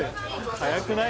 速くない？